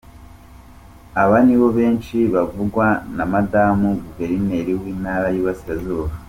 Aba nibo benshi bavugwa na madamu Guverineri w’Intara y’Iburasirazuba.